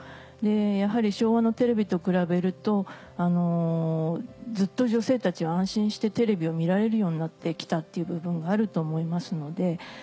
やはり昭和のテレビと比べるとずっと女性たちは安心してテレビを見られるようになってきたっていう部分があると思いますので。